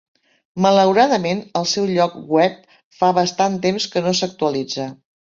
Malauradament, el seu lloc web fa bastant temps que no s'actualitza.